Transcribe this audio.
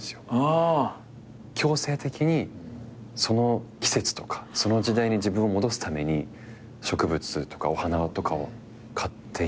強制的にその季節とかその時代に自分を戻すために植物とかお花とかを買っていましたね。